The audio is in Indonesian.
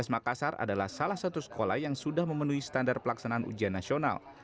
makassar adalah salah satu sekolah yang sudah memenuhi standar pelaksanaan ujian nasional